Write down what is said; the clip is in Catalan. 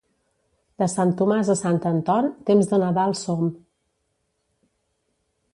De Sant Tomàs a Sant Anton, temps de Nadal som.